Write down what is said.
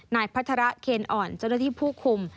นายพัฒระเคนอ่อนเจ้าหน้าที่ผู้คุม